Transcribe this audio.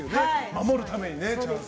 守るためにね。